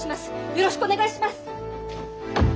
よろしくお願いします！